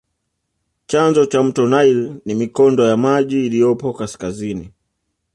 Chanzo cha mto nile ni mikondo ya maji iliyopo kaskazini